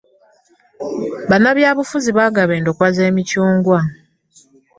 Banabyabufuzi bagaba endokwa ze micungwa.